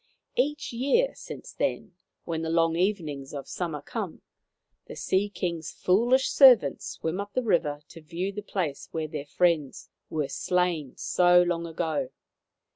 Each year since then, when the long evenings of summer come, the Sea King's foolish servants swim up the river to view the place where their friends were slain so long ago.